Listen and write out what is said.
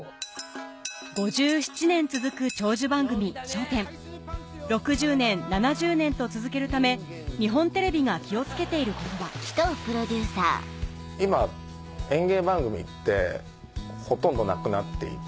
５７年続く長寿番組『笑点』６０年７０年と続けるため日本テレビが気を付けていることは今演芸番組ってほとんどなくなっていて。